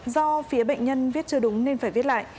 do phía bệnh nhân viết chưa đúng nên phải viết lại